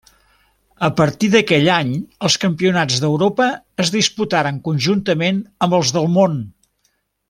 A partir d'aquell any els campionats d'Europa es disputaren conjuntament amb els del món.